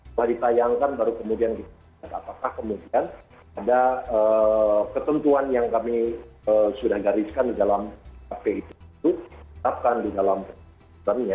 setelah ditayangkan baru kemudian kita lihat apakah kemudian ada ketentuan yang kami sudah gariskan di dalam kp itu tetapkan di dalam ketentuannya